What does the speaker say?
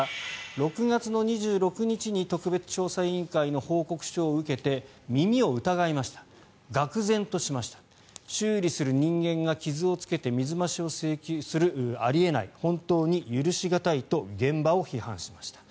６月２６日に特別調査委員会の報告書を受けて耳を疑いましたがくぜんとしました修理する人間が傷をつけて水増し請求をするあり得ない本当に許し難いと現場を批判しました。